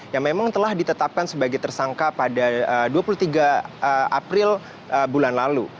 yang memang telah ditetapkan sebagai tersangka pada dua puluh tiga april bulan lalu